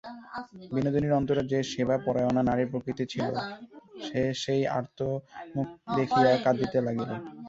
বিনোদিনীর অন্তরে যে সেবাপরায়ণা নারীপ্রকৃতি ছিল, সে সেই আর্ত মুখ দেখিয়া কাঁদিতে লাগিল।